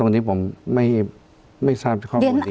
ตรงนี้ผมไม่ทราบที่ข้อมูลดี